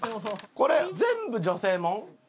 これ全部女性物？